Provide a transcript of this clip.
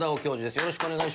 よろしくお願いします。